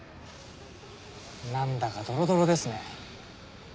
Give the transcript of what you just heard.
なんだかドロドロですね。